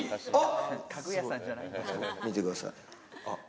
見てください。